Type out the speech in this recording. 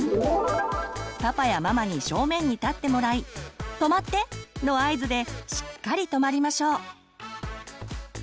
パパやママに正面に立ってもらい「止まって！」の合図でしっかり止まりましょう。